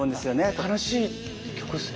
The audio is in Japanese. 悲しい曲っすね